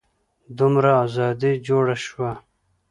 دومره ازادي جوړه شوه.